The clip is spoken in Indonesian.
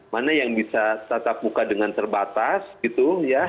mana yang bisa tetap buka dengan terbatas gitu ya